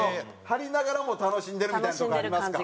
張りながらも楽しんでるみたいなとこありますか。